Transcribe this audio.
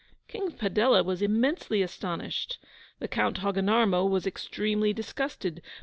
King Padella was immensely astonished. The Count Hogginarmo was extremely disgusted.